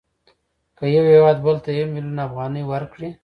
که یو هېواد بل ته یو میلیون افغانۍ ورکړي